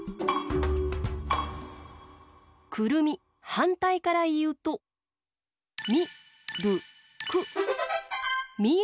はんたいからいうと「みるく」。